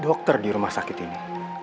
dokter di rumah sakit ini